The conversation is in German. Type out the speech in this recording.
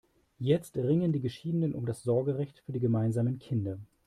Jetzt ringen die Geschiedenen um das Sorgerecht für die gemeinsamen Kinder.